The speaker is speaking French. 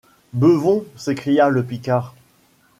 Beuvons ! s’escria le Picard.